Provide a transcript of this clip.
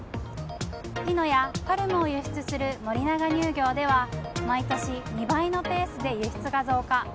ピノやパルムを輸出する森永乳業では毎年２倍のペースで輸出が増加。